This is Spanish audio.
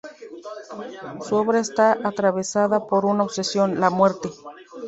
Su obra está atravesada por una obsesión: la muerte.